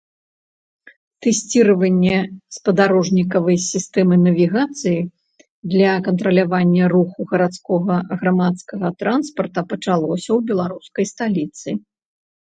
Тэсціраванне спадарожнікавай сістэмы навігацыі для кантралявання руху гарадскога грамадскага транспарта пачалося ў беларускай сталіцы.